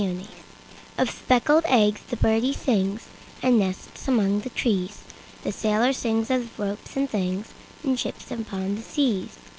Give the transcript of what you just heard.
Singing OF speckled eggs the birdie singsAnd nests among the trees; The sailor sings of ropes and thingsIn ships upon the seas.